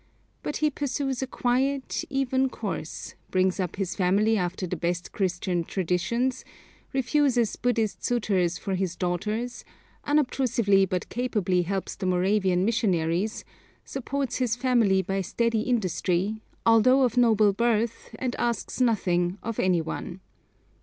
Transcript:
But he pursues a quiet, even course, brings up his family after the best Christian traditions, refuses Buddhist suitors for his daughters, unobtrusively but capably helps the Moravian missionaries, supports his family by steady industry, although of noble birth, and asks nothing of any one.